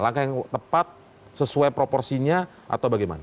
langkah yang tepat sesuai proporsinya atau bagaimana